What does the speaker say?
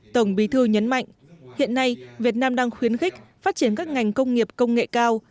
tổng bí thư nhấn mạnh hiện nay việt nam đang khuyến khích phát triển các ngành công nghiệp công nghệ cao